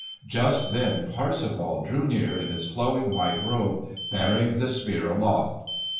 Just then Parsifal drew near in his flowing white robe bearing the Spear aloft.